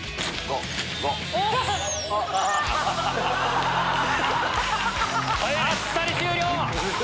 あっさり終了！